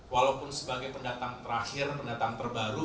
walaupun sebagai pendatang terakhir pendatang terbaru